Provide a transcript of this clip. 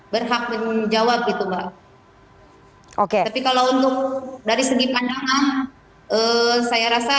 berhak menjawab itu mbak oke tapi kalau untuk dari segi pandangan saya rasa